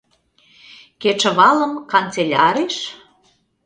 Кечывалым, канцеляреш?..